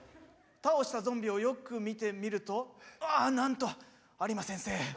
倒したゾンビをよく見てみると何と有馬先生。